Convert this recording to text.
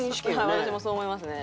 私もそう思いますね。